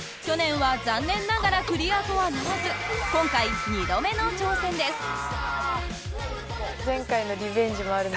去年は残念ながらクリアとはならず今回２度目の挑戦です。